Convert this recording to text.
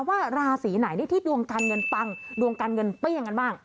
ว่าราศีไหนที่ดวงการเงินปังดวงการเงินเปรี้ยงกันบ้าง